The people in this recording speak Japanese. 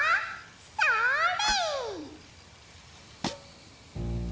それ！